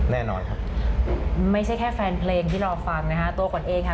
แน่นอนครับไม่ใช่แค่แฟนเพลงที่รอฟังนะคะตัวขวัญเองค่ะ